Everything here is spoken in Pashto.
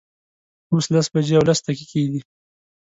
اوس لس بجې او لس دقیقې دي